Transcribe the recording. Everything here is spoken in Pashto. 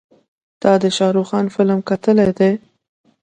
تا د شارخ خان فلم کتلی دی.